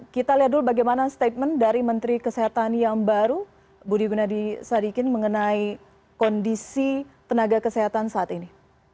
kita lihat dulu bagaimana statement dari menteri kesehatan yang baru budi gunadi sadikin mengenai kondisi tenaga kesehatan saat ini